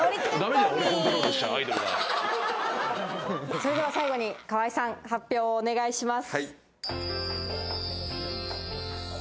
それでは最後に河合さん、発表をお願いします。